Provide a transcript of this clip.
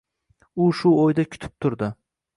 U shu o’yda kutib turdi.